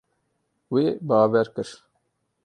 Wê bawer kir.